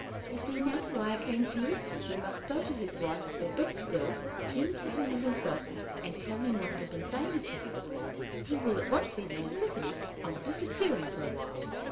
You see now why I came to you! You must go to his wife, or, better still, to Mr. Helmer himself, and tell him what I have been saying to you. He will at once see the necessity of disappearing for a while."